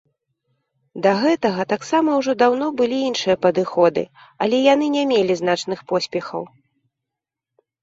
Да гэтага таксама ўжо даўно былі іншыя падыходы, але яны не мелі значных поспехаў.